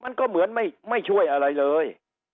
มันก็เหมือนไม่ช่วยอะไรเลย